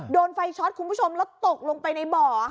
โดนไฟช็อตคุณผู้ชมแล้วตกลงไปในบ่อ